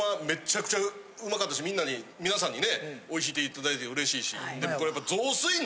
めっちゃくちゃうまかったしみんなにみなさんにねおいしいって言っていただいてうれしいしでもこれ。